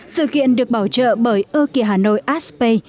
sự kiện được bảo trợ bởi ơ kìa hà nội aspe